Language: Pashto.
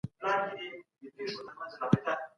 ولي قوي سفارتي اړیکي د هېواد د پرمختګ لپاره اړینې دي؟